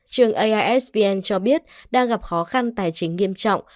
trường aisvn cho biết đang gặp khó khăn tài chính nghiêm trọng